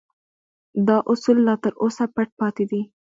دا اصول لا تر اوسه پټ پاتې دي